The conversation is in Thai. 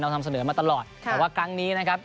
ทำเสนอมาตลอดแต่ว่าครั้งนี้นะครับ